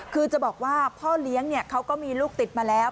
คือจะบอกว่าพ่อเลี้ยงเขาก็มีลูกติดมาแล้ว